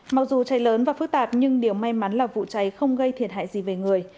mặc dù cháy lớn và phức tạp nhưng điều may mắn là vụ cháy không gây thiệt hại